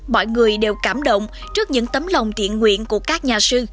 mọi người đều cảm động trước những tấm lòng thiện nguyện của các nhà sư